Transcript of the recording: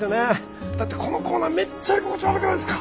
だってこのコーナーめっちゃ居心地悪くないですか？